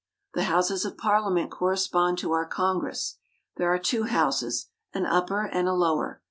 The Houses of Parliament correspond to our Congress. There are two Houses, an Upper and a Lower.